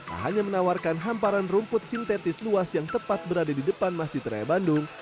tak hanya menawarkan hamparan rumput sintetis luas yang tepat berada di depan masjid raya bandung